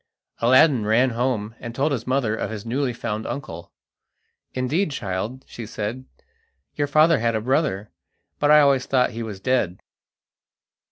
Aladdin ran home, and told his mother of his newly found uncle. "Indeed, child," she said, "your father had a brother, but I always thought he was dead."